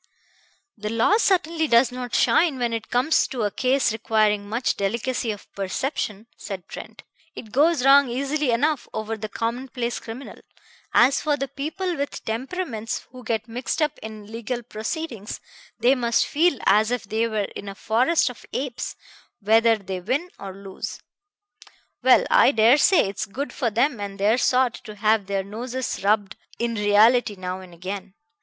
"The law certainly does not shine when it comes to a case requiring much delicacy of perception," said Trent. "It goes wrong easily enough over the commonplace criminal. As for the people with temperaments who get mixed up in legal proceedings, they must feel as if they were in a forest of apes, whether they win or lose. Well, I dare say it's good for them and their sort to have their noses rubbed in reality now and again.